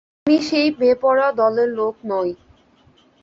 আমি সেই বেপরোয়া দলের লোক নই।